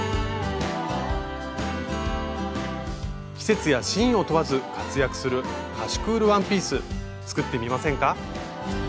季節やシーンを問わず活躍するカシュクールワンピース作ってみませんか？